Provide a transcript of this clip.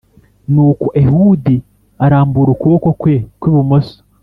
Nuko ehudi arambura ukuboko kwe kw ibumoso